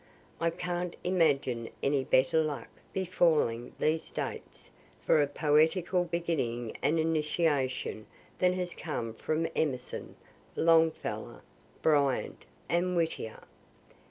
I can't imagine any better luck befalling these States for a poetical beginning and initiation than has come from Emerson, Longfellow, Bryant, and Whittier.